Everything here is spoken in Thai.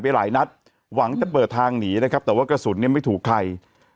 หลายนัดหวังจะเปิดทางหนีนะครับแต่ว่ากระสุนเนี่ยไม่ถูกใคร